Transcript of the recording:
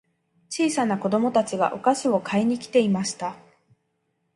小さな子供たちがお菓子を買いに来ていました。